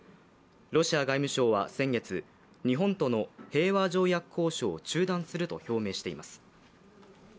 ロシア外務省は先月、日本との平和条約交渉を中断すると表明しています。